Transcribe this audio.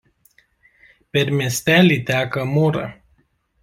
Per miestelį teka Mura.